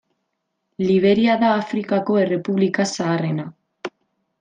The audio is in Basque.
Liberia da Afrikako errepublika zaharrena.